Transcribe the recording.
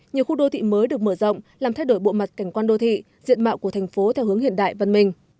nhiều khu đô thị mới được mở rộng làm thay đổi bộ mặt cảnh quan đô thị diện mạo của thành phố theo hướng hiện đại văn minh